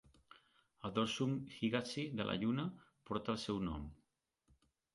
El Dorsum Higazy de la Lluna porta el seu nom.